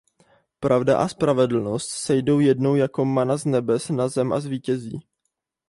Pravda a spravedlnost sejdou jednou jako mana z nebes na zem a zvítězí.